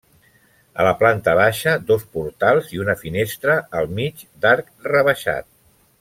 A la planta baixa, dos portals i una finestra al mig d'arc rebaixat.